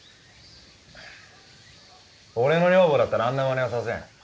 俺の女房だったらあんな真似はさせん。